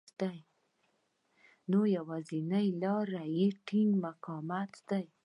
نو يوازېنۍ لاره يې ټينګ مقاومت دی.